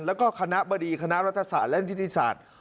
แล้วก็คณะบดีคณะรัฐศาสตร์และนิติศาสตร์